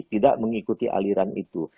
tidak mengikuti aliran itu